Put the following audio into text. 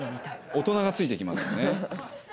大人がついてきますもんね。